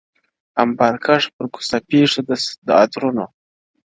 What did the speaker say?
• امبارکښ پرکوڅه پېښ سو د عطرونو -